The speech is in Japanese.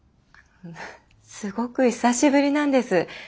すごく久しぶりなんです。